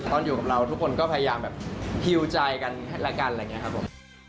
ตอนอยู่กับเราทุกคนก็พยายามแบบฮิวใจกันและกันอะไรอย่างนี้ครับผม